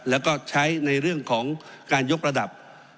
แล้วก็ใช้ในเรื่องของการยกระดับ